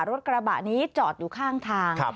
รถกระบะนี้จอดอยู่ข้างทาง